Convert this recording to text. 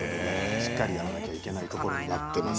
しっかりやらなければいけないところになっています。